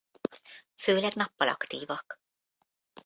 Főleg nappal aktívak.